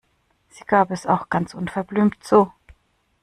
Sie gab es auch ganz unverblümt zu.